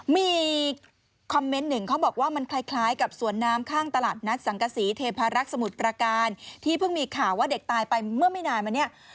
มีคอมเมนต์หนึ่งเขาบอกว่ามันคล้ายกับสวนน้ำข้างตลาดนัดสังกษีเทพารักษ์สมุทรประการที่เพิ่งมีข่าวว่าเด็กตายไปเมื่อไม่นานมาเนี่ย